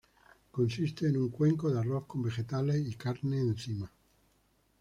Consiste en un cuenco de arroz con vegetales y carne encima.